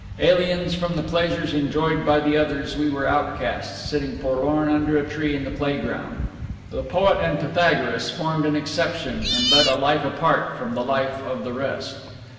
Aliens from the pleasures enjoyed by the others, we were outcasts, sitting forlorn under a tree in the playing ground. The Poet and Pythagoras formed an exception and led a life apart from the life of the rest.